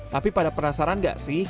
tapi pada penasaran gak sih